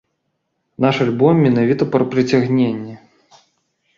Наш альбом менавіта пра прыцягненне.